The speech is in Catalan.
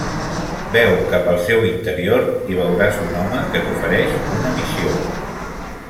Veu cap al seu interior i veuràs un home que t'ofereix una missió.